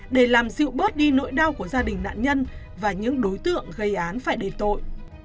để làm dịu bớt đi nỗi đau của gia đình nạn nhân và những đối tượng gây án phải đền tội